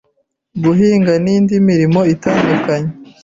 guhinga n’indi mirimo itandukanye